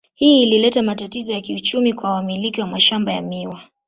Hii ilileta matatizo ya kiuchumi kwa wamiliki wa mashamba ya miwa.